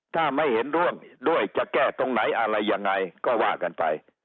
ถ้าไม่เห็นร่วมด้วยจะแก้ตรงไหนอะไรยังไงก็ว่ากันไป